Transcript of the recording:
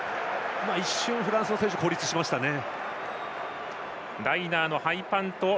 一瞬フランスの選手が孤立しましたね。